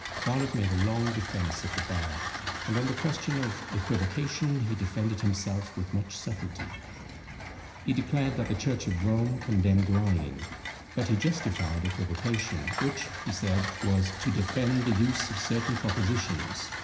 Garnet made a long defence at the bar; and on the question of equivocation he defended himself with much subtilty. He declared that the church of Rome condemned lying; but he justified equivocation, which, he said, was "to defend the use of certain propositions.